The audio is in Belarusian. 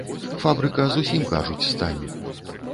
Фабрыка зусім, кажуць, стане.